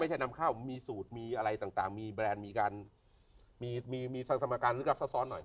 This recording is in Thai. ไม่ใช่นำเข้ามีสูตรมีอะไรต่างมีแบรนด์มีการมีสรรค์สรรค์การรับซ้อนหน่อย